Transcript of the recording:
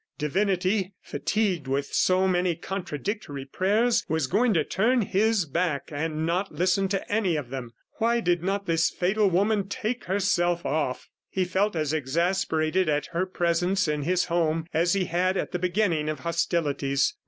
Divinity, fatigued with so many contradictory prayers was going to turn His back and not listen to any of them. Why did not this fatal woman take herself off? ... He felt as exasperated at her presence in his home as he had at the beginning of hostilities.